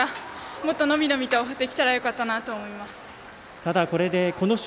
もっと伸び伸びできればよかったと思います。